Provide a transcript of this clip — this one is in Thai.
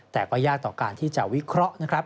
แต่ก็ยากต่อการที่จะวิเคราะห์นะครับ